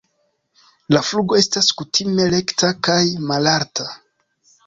La flugo estas kutime rekta kaj malalta.